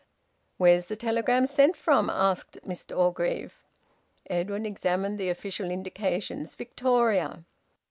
"Where's the telegram sent from?" asked Mr Orgreave. Edwin examined the official indications: "Victoria."